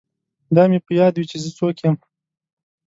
دا مې په یاد وي چې زه څوک یم